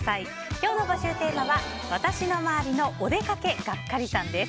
今日の募集テーマは、私の周りのおでかけガッカリさんです。